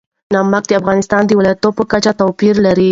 نمک د افغانستان د ولایاتو په کچه توپیر لري.